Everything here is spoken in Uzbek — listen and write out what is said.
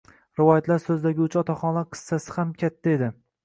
Rivoyatlar so‘zlaguvchi otaxonlar hissasi ham katta edi.